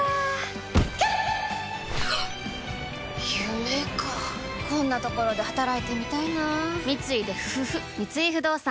夢かこんなところで働いてみたいな三井不動産